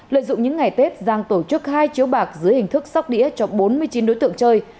lợi dụng những ngày tết giang tổ chức hai chiếu bạc dưới hình thức sóc đĩa cho bốn mươi chín đối tượng chơi